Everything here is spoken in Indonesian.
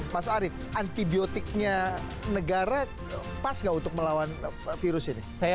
mas arief antibiotiknya negara pas gak untuk melawan virus ini